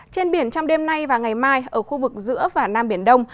trên biển trong đêm nay và ngày mai ở khu vực giữa và nam biển đông